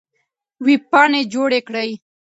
وېبپاڼې جوړې کړئ.